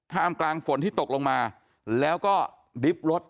กลางฝนที่ตกลงมาแล้วก็ริบรถ